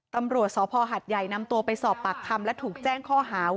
ตำรวจศพอหันใหญ่นำตัวไปสอบปรักษมณ์แล้วถูกแจ้งข้อหาวิ่งราวซัพ